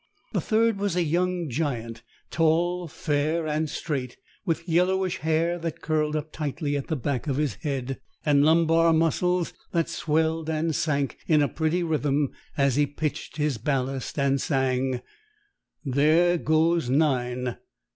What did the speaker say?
The third was a young giant tall, fair, and straight with yellowish hair that curled up tightly at the back of his head, and lumbar muscles that swelled and sank in a pretty rhythm as he pitched his ballast and sang "There goes nine.